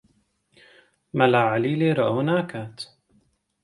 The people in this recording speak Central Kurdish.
مەلا عەلی لێرە ئەوە ناکات.